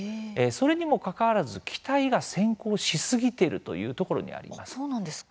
それにもかかわらず期待が先行しすぎているというところにあります。